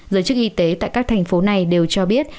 giới chức y tế tại các thành phố này đều cho biết